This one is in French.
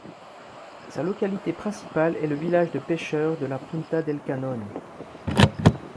Sa localité principale est le village de pêcheurs de La Punta del Canone.